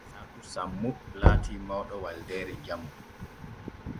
Isaaku sammo laati mawɗo waldeere jamu.